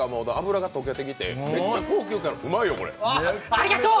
ありがとう。